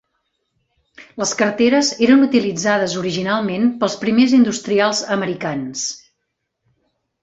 Les carteres eren utilitzades originalment pels primers industrials americans.